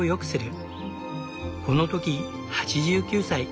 この時８９歳。